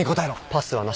パスはなし。